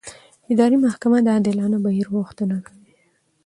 اداري محاکمه د عادلانه بهیر غوښتنه کوي.